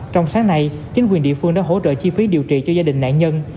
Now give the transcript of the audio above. trong sáng nay chính quyền địa phương đã hỗ trợ chi phí điều trị cho gia đình nạn nhân